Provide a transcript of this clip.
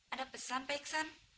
ada pesan pak iksan